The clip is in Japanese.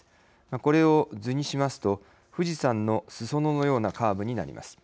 これを図にしますと富士山のすそ野のようなカーブになります。